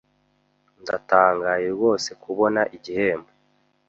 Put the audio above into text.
Ndatangaye rwose kubona igihembo.